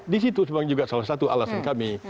di situ sebenarnya juga salah satu alasan kami